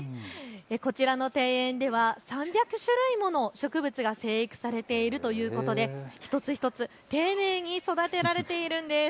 こちらの庭園では３００種類もの植物が生育されているということで一つ一つ丁寧に育てられているんです。